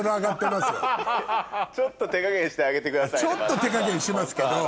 ちょっと手加減しますけど。